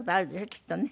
きっとね。